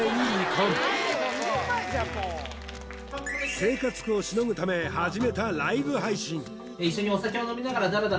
生活苦を凌ぐため始めたライブ配信